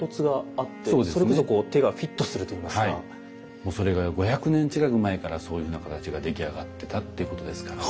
もうそれが５００年近く前からそういうふうな形が出来上がってたっていうことですからね。